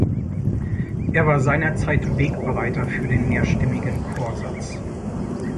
Er war seinerzeit Wegbereiter für den mehrstimmigen Chorsatz.